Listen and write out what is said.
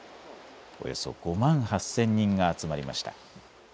およそ５万８０００人が集まりました。